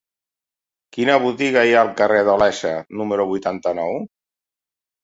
Quina botiga hi ha al carrer d'Olesa número vuitanta-nou?